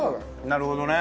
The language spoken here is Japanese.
なるほどね。